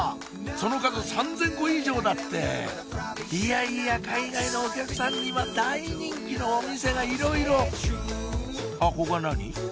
その数３０００個以上だっていやいや海外のお客さんには大人気のお店がいろいろあっここは何？